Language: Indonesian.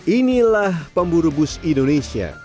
inilah pemburu bus indonesia